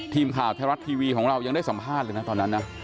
ทีมข่าวไทยรัฐทีวีของเรายังได้สัมภาษณ์เลยนะตอนนั้นนะ